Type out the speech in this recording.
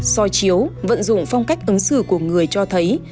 soi chiếu vận dụng phong cách ứng xử của người cho thấy